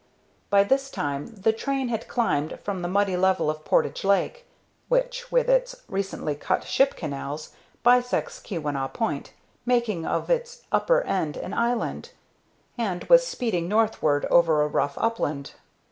By this time the train had climbed from the muddy level of Portage Lake, which with its recently cut ship canals bisects Keweenaw Point, making of its upper end an island, and was speeding northward over a rough upland.